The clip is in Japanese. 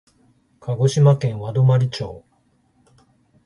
鹿児島県和泊町